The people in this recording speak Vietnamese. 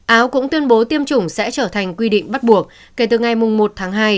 áo cũng tuyên bố tiêm chủng sẽ trở thành quy định bắt buộc kể từ ngày một tháng hai